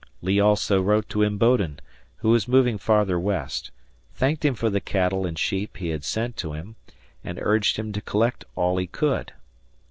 Lee also wrote to Imboden, who was moving farther west, thanked him for the cattle and sheep he had sent to him, and urged him to collect all he could.